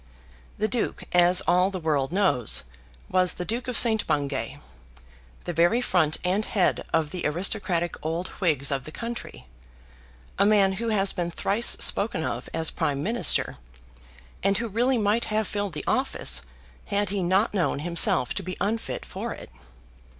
The Duke, as all the world knows, was the Duke of St. Bungay, the very front and head of the aristocratic old Whigs of the country, a man who has been thrice spoken of as Prime Minister, and who really might have filled the office had he not known himself to be unfit for it.